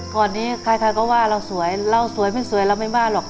ก่อนนี้ใครก็ว่าเราสวยเราสวยไม่สวยเราไม่บ้าหรอก